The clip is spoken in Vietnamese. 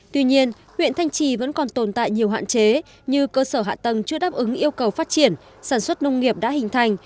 tuy nhiên huyện thanh trì vẫn còn tồn tại nhiều hạn chế như cơ sở hạ tầng chưa đáp ứng yêu cầu phát triển sản xuất nông nghiệp đã hình thành